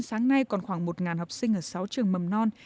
sáng nay còn khoảng một học sinh ở sáu trường mầm non